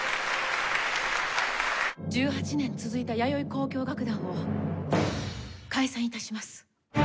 １８年続いた弥生交響楽団を解散致します。